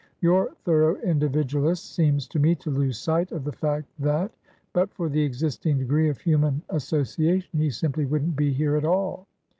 Your thorough individualist seems to me to lose sight of the fact that, but for the existing degree of human association, he simply wouldn't be here at all.